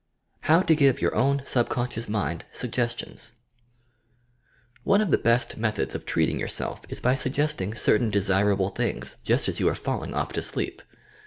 HOW TO GIVE YOUR OWN SUBCONSCIOUS MIND SUGGESTIONS One of the best methods of treating yourself is by suggesting certain desirable things just as you are fall ing off to sleep.